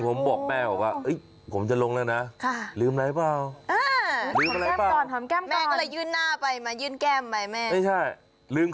อ๋อหอมแก้มคุณแม่เหรอครับโอ้โฮโอ่จริง